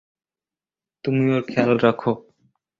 তুমি ওর খেয়াল রাখো।